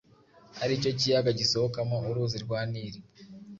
ari cyo kiyaga gisohokamo uruzi rwa Nili.